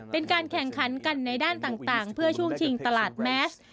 เป็นการแข่งขันกันในด้านต่างเพื่อช่วงชิงตลาดแมส